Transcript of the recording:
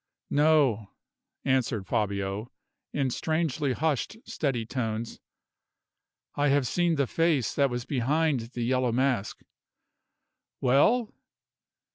"No," answered Fabio, in strangely hushed, steady tones. "I have seen the face that was behind the yellow mask." "Well?"